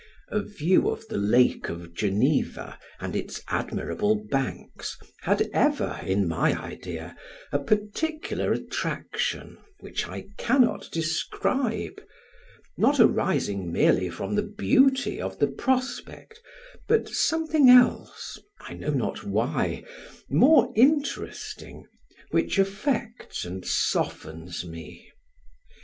A view of the lake of Geneva and its admirable banks, had ever, in my idea, a particular attraction which I cannot describe; not arising merely from the beauty of the prospect, but something else, I know not why, more interesting, which affects and softens me.